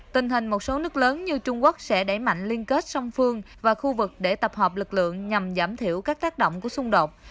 tình hình một số nước lớn như trung quốc sẽ đẩy mạnh liên kết song phương và khu vực để tập hợp lực lượng nhằm giảm thiểu các tác động của xung đột